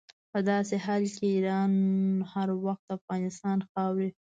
په داسې حال کې چې ایران هر وخت د افغانستان خاورې.